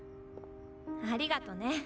ありがとね